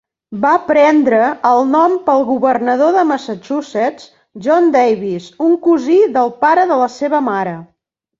Va prendre el nom pel governador de Massachusetts, John Davis, un cosí del pare de la seva mare.